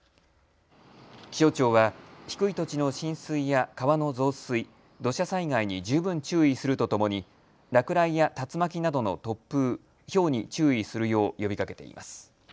気象庁は低い土地の浸水や川の増水、土砂災害に十分注意するとともに落雷や竜巻などの突風、ひょうに注意するよう呼びかけています。